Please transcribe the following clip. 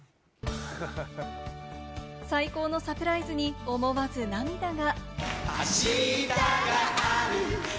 最高のサプライズに思わず涙が。